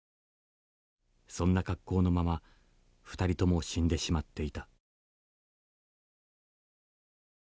そんな格好のまま２人とも死んでしまっていた」。